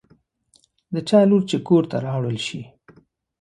د چا لور چې کور ته راوړل شي.